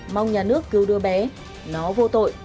mong nhà nước cứu đưa bé nó vô tội